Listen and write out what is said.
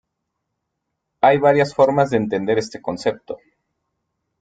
Hay varias formas de entender este concepto.